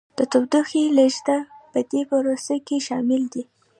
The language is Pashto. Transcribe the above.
د تودوخې لیږد په دې پروسه کې شامل دی.